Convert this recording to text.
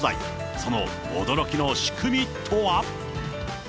その驚きの仕組みとは。